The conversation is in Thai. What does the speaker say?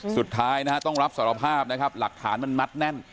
สุดท้ายนะฮะต้องรับสารภาพนะครับหลักฐานมันมัดแน่น